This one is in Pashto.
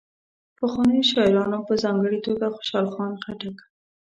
پخوانیو شاعرانو په ځانګړي توګه خوشال خان خټک.